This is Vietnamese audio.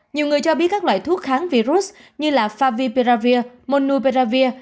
nhiều người cho biết các loại thuốc kháng virus như favipiravir monupiravir